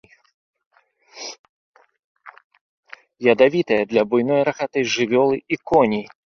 Ядавітая для буйной рагатай жывёлы і коней.